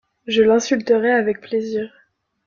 Je l’insulterais avec plaisir.